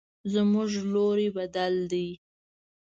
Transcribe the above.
زموږ لوري بدل ده